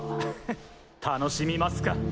フッ楽しみますか。